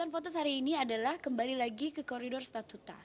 voters hari ini adalah kembali lagi ke koridor statuta